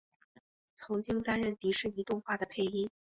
曾经担任迪士尼动画的配音。